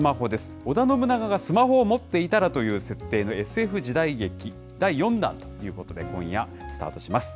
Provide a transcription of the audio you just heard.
織田信長がスマホを持っていたらという設定のＳＦ時代劇第４弾ということで、今夜、スタートします。